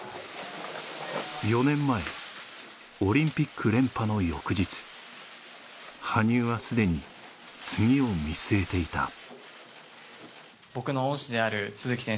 ４年前、オリンピック連覇の翌日羽生は既に次を見据えていた。